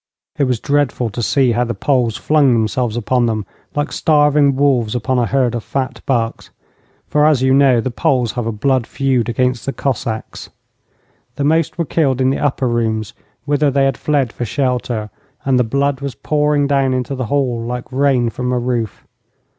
It was dreadful to see how the Poles flung themselves upon them, like starving wolves upon a herd of fat bucks for, as you know, the Poles have a blood feud against the Cossacks. The most were killed in the upper rooms, whither they had fled for shelter, and the blood was pouring down into the hall like rain from a roof.